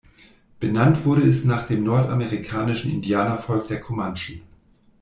Benannt wurde es nach dem nordamerikanischen Indianervolk der Comanchen.